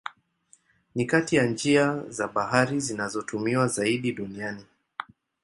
Ni kati ya njia za bahari zinazotumiwa zaidi duniani.